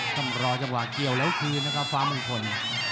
ต้องรอเวลาเกี่ยวแล้วคืนฟ้ามงคล